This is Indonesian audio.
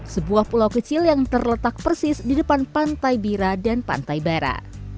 sebuah pulau kecil yang terletak persis di depan pantai bira dan pantai bara